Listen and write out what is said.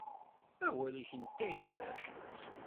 Awal-ik n taggar.